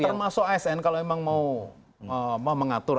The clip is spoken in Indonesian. termasuk asn kalau memang mau mengatur